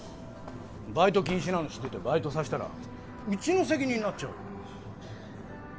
バイト禁止なの知っててバイトさせたらうちの責任になっちゃうよ